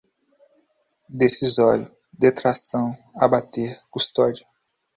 decisório, detração, abater, custódia